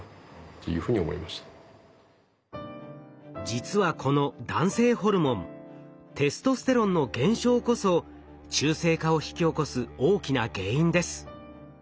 実はこの男性ホルモンテストステロンの減少こそ中性化を引き起こす大きな原因です。